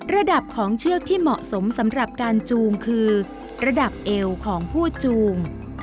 ระดับของเชือกที่เหมาะสมสำหรับการจูงคือระดับเอวของผู้จูง